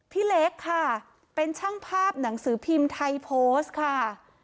พี่เล็กค่ะเป็นช่างภาพหนังสือพิมพ์ไทยโพสต์ค่ะ